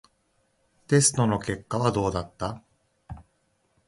テストの結果はどうだった？